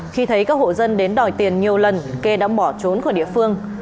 khi thấy các hộ dân đến đòi tiền nhiều lần kê đã bỏ trốn khỏi địa phương